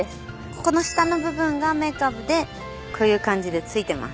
ここの下の部分がめかぶでこういう感じで付いてます。